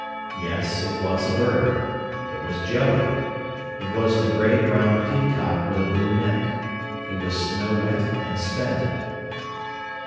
Yes, it was a bird. It was Joey. It was the grey brown peacock with a blue neck. He was snow wet and spent.